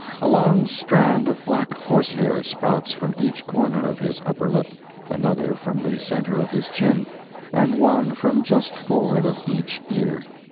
A long strand of black horsehair sprouts from each corner of his upper lip, another from the centre of his chin, and one from just forward of each ear.